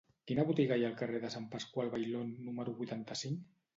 Quina botiga hi ha al carrer de Sant Pasqual Bailón número vuitanta-cinc?